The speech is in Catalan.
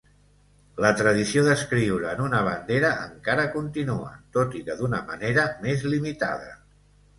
La tradició d'escriure en una bandera encara continua, tot i que d'una manera més limitada.